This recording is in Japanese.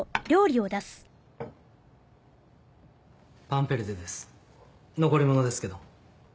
パンペルデュです残り物ですけど。